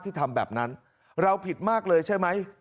ทำแบบนั้นเราผิดมากเลยใช่ไหม